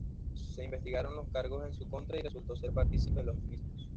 Se investigaron los cargos en su contra y resultó ser participe de los mismos.